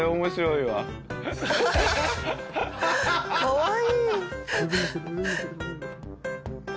かわいい。